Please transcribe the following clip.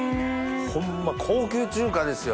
ホンマ高級中華ですよ。